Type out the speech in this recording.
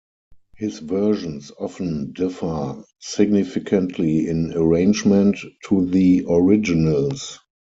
His versions often differ significantly in arrangement to the originals.